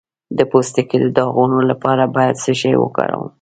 د پوستکي د داغونو لپاره باید څه شی وکاروم؟